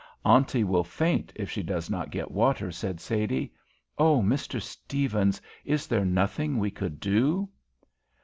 "Auntie will faint if she does not get water," said Sadie. "Oh, Mr. Stephens, is there nothing we could do?"